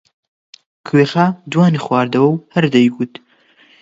کوێخا دوانی خواردەوە و هەر دەیگوت: